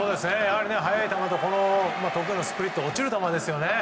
速い球と得意のスプリット落ちる球ですよね。